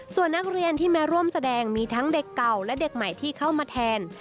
ส่วนนักเรียนที่มาร่วมแสดงมีทั้งเด็กเก่าและเด็กใหม่ที่เข้ามาแทน